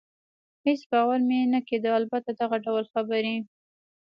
هېڅ باور مې نه کېده، البته دغه ډول خبرې.